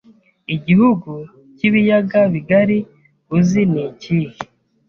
igihugu cy'ibiyaga bigari uzi nikihe